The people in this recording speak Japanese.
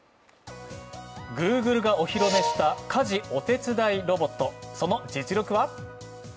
グーグルがお披露目した家事お手伝いロボット、その実力は？